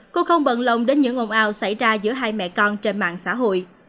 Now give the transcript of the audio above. cô không bận lòng đến những ồn ào xảy ra giữa hai mẹ con trên mạng xã hội